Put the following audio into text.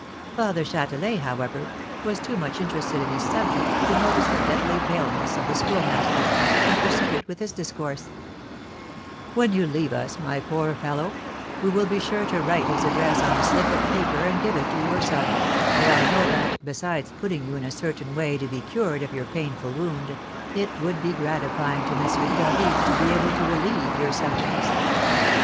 Father Châtelain, however, was too much interested in his subject to notice the deadly paleness of the Schoolmaster, and proceeded with his discourse: "When you leave us, my poor fellow, we will be sure to write his address on a slip of paper and give it to your son, for I know that, besides putting you in a certain way to be cured of your painful wound, it would be gratifying to M. David to be able to relieve your sufferings.